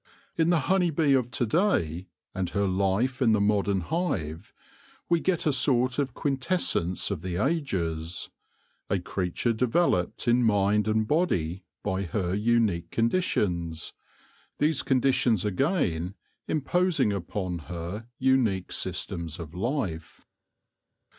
In the honey bee of to day, and her life in the modern hive, we get a sort of quintessence of the ages ; a creature developed in mind and body by her unique conditions, these conditions again imposing upon her unique systems of life.